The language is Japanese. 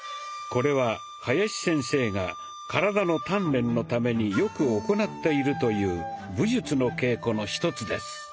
これは林先生が体の鍛錬のためによく行っているという武術の稽古の一つです。